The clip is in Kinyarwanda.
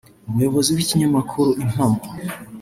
Umuyobozi w’ikinyamakuru Impamo